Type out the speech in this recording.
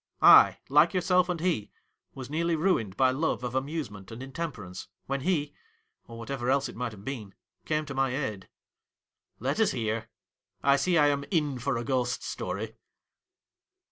I, like yourself and he, was nearly ruined by love of amusement and intemperance, when he — or whatever else it might have been — came to my aid.' ' Let us hear. I see I am " in " for a ghost story.'